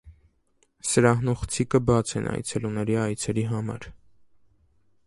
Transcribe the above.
Սրահն ու խցիկը բաց են այցելուների այցերի համար։